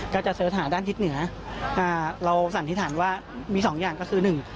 ก็จะเสิร์ชหาด้านทิศเหนือเราสังธิษฐานว่ามี๒อย่างก็คือ